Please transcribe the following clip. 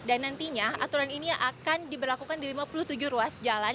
dan nantinya aturan ini akan diberlakukan di lima puluh tujuh ruas jalan